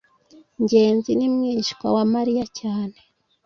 ngenzi ni mwishywa wa mariya cyane